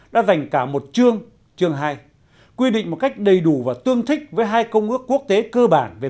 đã dành cả một chương chương hai quy định một cách đầy đủ và tương thích với hai công ước quốc tế cơ bản về